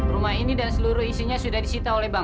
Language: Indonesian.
rumah ini dan seluruh isinya sudah disita oleh bank